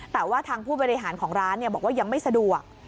แต่ว่าทางผู้บริหารของร้านบอกว่ายังไม่สะดวก